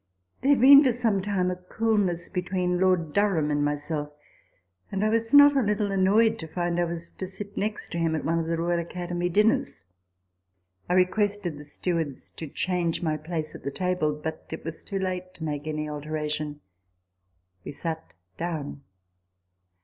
There had been for some time a coolness between Lord Durham and myself ; and I was not a little annoyed to find that I was to sit next him at one of the Royal Academy dinners : I requested the stewards to change my place at the table ; but it was too late to make any alteration. We sat down.